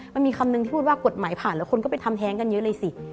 มันมีคำนึงที่พูดว่ากฎหมายผ่านแล้วคนก็ไปทำแท้งกันเยอะเลยสิ